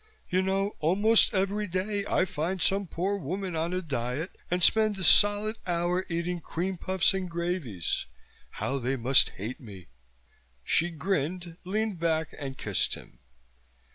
You know, almost every day I find some poor woman on a diet and spend a solid hour eating creampuffs and gravies. How they must hate me!" She grinned, leaned back and kissed him.